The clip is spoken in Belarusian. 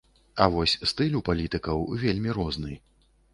А вось стыль у палітыкаў вельмі розны.